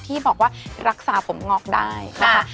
ที่บอกว่ารักษาผมงอกได้นะคะ